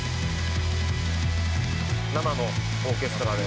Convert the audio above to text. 「生のオーケストラで」